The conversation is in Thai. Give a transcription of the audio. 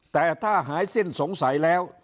แต่ถ้าหายสิ้นสงสัยแล้ว